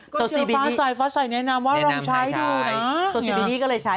ก็เจอฟ้าใส่ฟ้าใส่แนะนำว่าลองใช้ดูนะแนะนำใช้ใช่โซซีบินี่ก็เลยใช้ละค่ะ